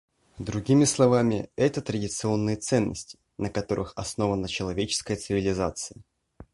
Другими словами, это традиционные ценности, на которых основана человеческая цивилизация.